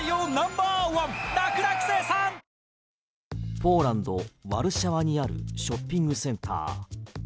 ポーランド・ワルシャワにあるショッピングセンター。